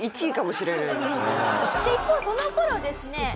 １位かもしれないですね。